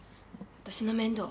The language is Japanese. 私の面倒？